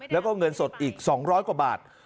แล้วก็เงินสดอีก๒๐๐กว่าบาท